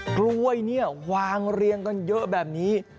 กล้วยเนี่ยวางเรียงกันเยอะแบบนี้